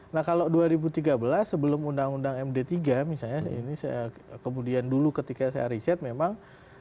nah kalau dua ribu tiga belas sebelum undang undang md tiga misalnya ini kemudian dulu ketika saya riset memang